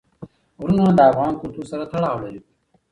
غرونه د افغان کلتور سره تړاو لري.